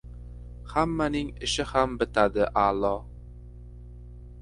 Hammaning ishi ham bitadi a’lo.